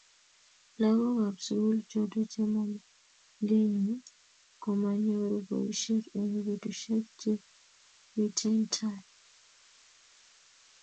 lagookab sugul choto chemamagengiy komanyoru boishet eng betushiek chemiten tai